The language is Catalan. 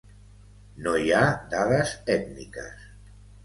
No hi ha dades ètniques.